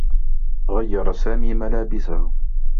غيّر سامي ملابسه.